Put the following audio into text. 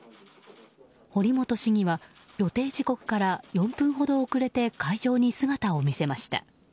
堀本市議は予定時刻から４分ほど遅れて会場に姿を見せました。